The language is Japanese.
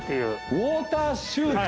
ウォーターシュート。